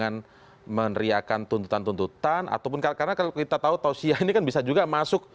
dengan meneriakan tuntutan tuntutan ataupun karena kalau kita tahu tausiah ini kan bisa juga masuk